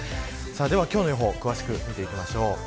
では今日の予報を詳しく見ていきましょう。